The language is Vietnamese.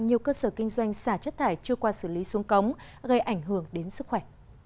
nhiều cơ sở kinh doanh xả chất thải chưa qua xử lý xuống cống gây ảnh hưởng đến sức khỏe